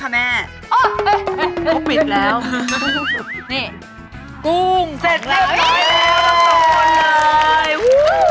นี่กุ้งเสร็จแล้ว